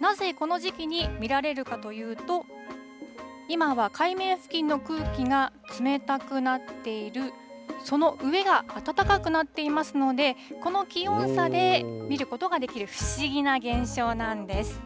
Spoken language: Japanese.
なぜこの時期に見られるかというと、今は海面付近の空気が冷たくなっている、その上が暖かくなっていますので、この気温差で、見ることができる、不思議な現象なんです。